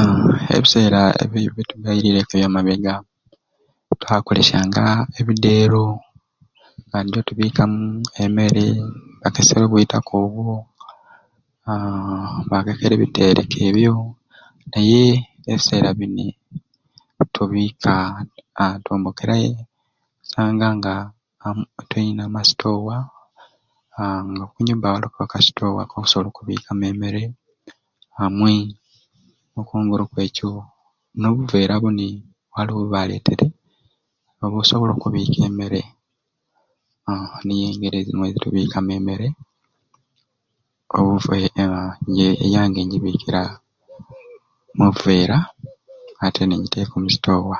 Aaa ebiseera ebit'ubaireku eyo em'abeega twakolesyanga ebideero nga nijo tubikamu emmere nga okesere obwita nk'obwo aaa bakekere ebitere nk'ebyo naye ebiseera bini tubika aaa twombokere osanga nga abamwei tuyina amasitowa aaa nga okunyumba waliku aka sitowa kokusobola okubikamu emmere amwei n'okwongera okweco nobuveera buni walowo bwebaleteere obusobola okubika emmere aaa niyo ngeri ezimwei zetubikamu emmere obuvee aa nje eyange njibikira mubuveera ate ninjiteka omu sitowa.